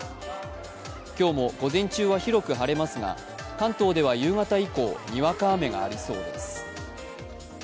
今日も午前中は広く晴れますが、関東では夕方以降、にわか雨がありそうです。